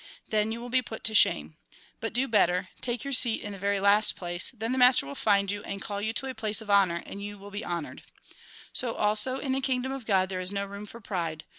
Then you will be put to shame. But do better, take your seat in the very last place, then the master will find you, and call you to a place of honour, and you will be honoured. " So also in the kingdom of God there is no room for pride.